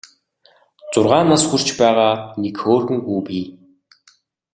Зургаан нас хүрч байгаа нэг хөөрхөн хүү бий.